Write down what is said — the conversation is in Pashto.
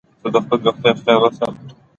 زه د خپلي روغتیا خیال ساتم.